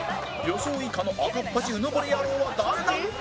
予想以下の赤っ恥うぬぼれ野郎は誰だ？